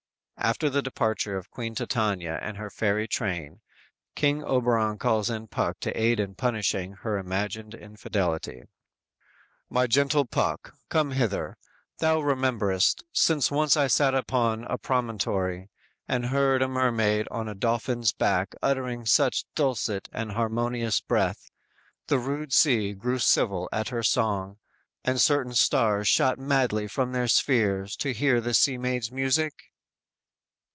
"_ After the departure of Queen Titania and her fairy train, King Oberon calls in Puck to aid in punishing her imagined infidelity. _"My gentle Puck, come hither; thou remember'st Since once I sat upon a promontory, And heard a mermaid on a dolphin's back Uttering such dulcet and harmonious breath, The rude sea grew civil at her song; And certain stars shot madly from their spheres To hear the sea maid's music?"